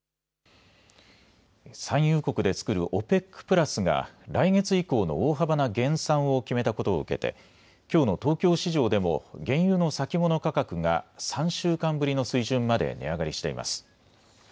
産油国で作るＯＰＥＣプラスが来月以降の大幅な減産を決めたことを受けてきょうの東京市場でも原油の先物価格が３週間ぶりの水準まで値上がりしています。